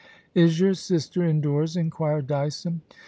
* Is your sister indoors T inquured Dyson.